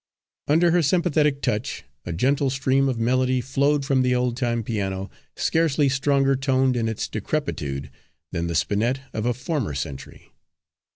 "_ Under her sympathetic touch a gentle stream of melody flowed from the old time piano, scarcely stronger toned in its decrepitude, than the spinet of a former century.